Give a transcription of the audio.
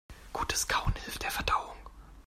Gutes Kauen hilft der Verdauung.